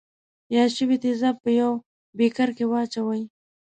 یاد شوي تیزاب په یوه بیکر کې واچوئ.